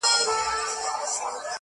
• ښه دی ښه دی قاسم یار چي دېوانه دی,